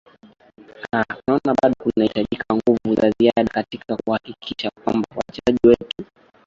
aa anaona bado kunahitajika nguvu za ziada katika kuhakikisha kwamba wachezaji wetu